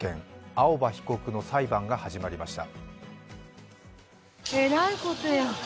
青葉被告の裁判が始まりました。